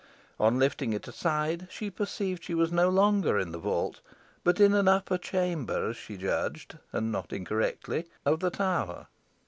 On lifting it aside she perceived she was no longer in the vault, but in an upper chamber, as she judged, and not incorrectly, of the tower.